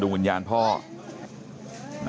กระดิ่งเสียงเรียกว่าเด็กน้อยจุดประดิ่ง